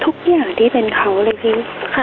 ทุกอย่างที่เป็นเขาเลยที่